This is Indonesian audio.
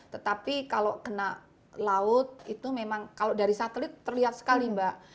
tetapi kalau kena laut itu memang kalau dari satelit terlihat sekali mbak